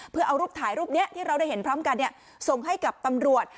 เพื่อเอารูปถ่ายรูปนี้ที่เราได้เห็นพร้อมกันส่งให้กับตำรวจ